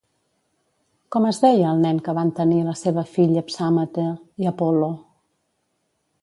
Com es deia el nen que van tenir la seva filla Psàmate i Apol·lo?